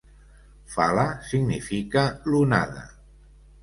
"Fala" significa "l'onada".